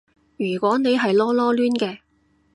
如果你係囉囉攣嘅